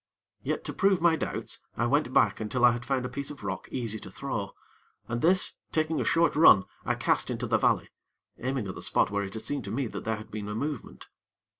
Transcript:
Yet, to prove my doubts, I went back until I had found a piece of rock easy to throw, and this, taking a short run, I cast into the valley, aiming at the spot where it had seemed to me that there had been a movement.